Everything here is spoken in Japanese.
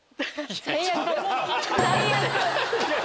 最悪！